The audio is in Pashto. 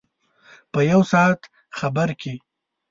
په یو ساعت خبر کې.